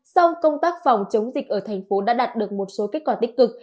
song công tác phòng chống dịch ở thành phố đã đạt được một số kết quả tích cực